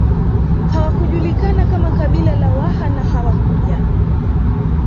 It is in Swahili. Hawakujulikana kama kabila la Waha na hawakuja